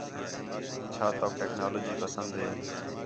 چھا تَؤک ٹیکنالوجی پسند ہے؟